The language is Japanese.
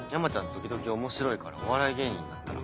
時々面白いからお笑い芸人になったら？